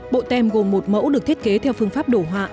bộ tem gồm một mẫu được thiết kế theo phương pháp đổ họa